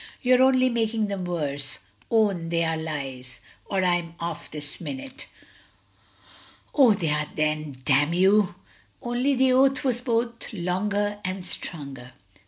"You're only making them worse; own they are lies, or I'm off this minute." "Oh, they are then, damn you!" Only the oath was both longer and stronger.